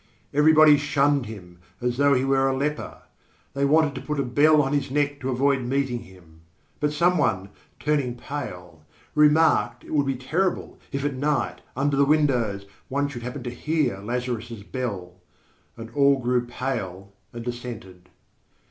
Everybody shunned him as though he were a leper. They wanted to put a bell on his neck to avoid meeting him. But some one, turning pale, remarked it would be terrible if at night, under the windows, one should happen to hear Lazarus' bell, and all grew pale and assented.